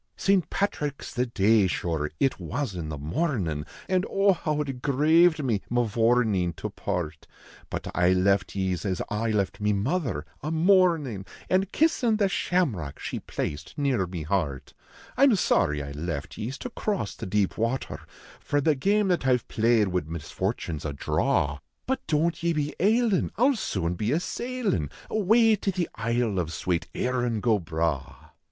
St. Patrick s the dav, shure, it was in the mornin , An oh ! how it graved me, Mavourneen, to part ; But I left ye s as I left me mother, a mournin An kissin the shamrock she placed near me heart. I m sorry I left ye s to cross the deep water, For the game that I ve played wid misfortune s a draw ; But don t ye be ailin , I ll soon be a sailin Awav to the isle of swate " Krin go Bragli."